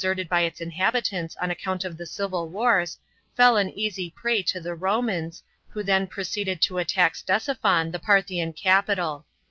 Babylon, nearly deserted by its inhabitants on account of the civil wars, fell an easy prey to the Romans, who then proceeded to attack Ctesi phon, the Parthian capital.